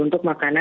untuk makanan ya